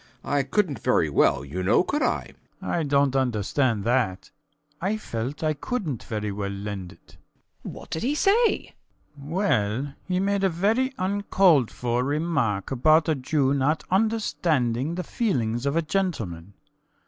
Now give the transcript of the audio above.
I couldnt very well, you know, could I? SCHUTZMACHER. I dont understand that. I felt that I couldnt very well lend it. WALPOLE. What did he say? SCHUTZMACHER. Well, he made a very uncalled for remark about a Jew not understanding the feelings of a gentleman.